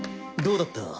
どうだった？